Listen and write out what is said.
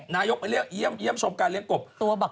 นายยกไปเยี่ยมชมการเลี้ยงกบ